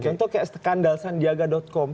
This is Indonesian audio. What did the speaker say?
contoh kayak skandal sandiaga com